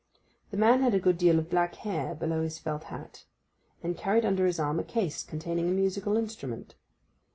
The man had a good deal of black hair below his felt hat, and carried under his arm a case containing a musical instrument.